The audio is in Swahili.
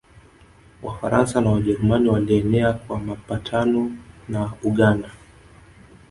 Wafaransa na Wajerumani Walienea kwa mapatano na Buganda